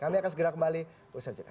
kami akan segera kembali berusaha cerita